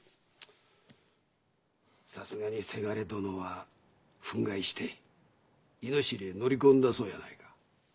さすがに伜殿は憤慨して猪尻へ乗り込んだそうやないか。